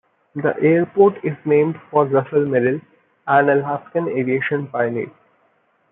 The airport is named for Russel Merrill, an Alaskan aviation pioneer.